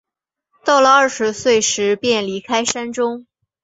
到了二十岁时便离开山中。